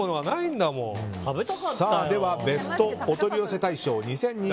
ではベストお取り寄せ大賞２０２２